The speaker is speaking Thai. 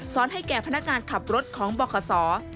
ให้แก่พนักงานขับรถของบข